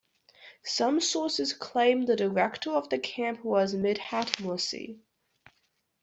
Some sources claim the director of the camp was Midhat Mursi.